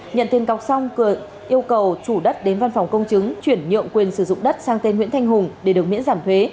nhận tiền cọc xong cường yêu cầu chủ đất đến văn phòng công chứng chuyển nhượng quyền sử dụng đất sang tên nguyễn thanh hùng để được miễn giảm thuế